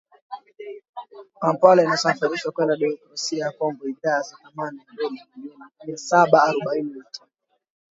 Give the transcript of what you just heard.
Kampala inasafirisha kwenda Demokrasia ya Kongo bidhaa za thamani ya dola milioni mia saba arobaini na tatu